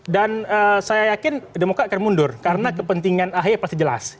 dan saya yakin demokrat akan mundur karena kepentingan ahi pasti jelas